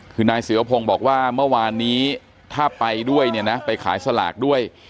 คือนายศิวพงศ์บอกว่าเมื่อวานนี้ถ้าไปด้วยเนี่ยนะไปขายสลากด้วย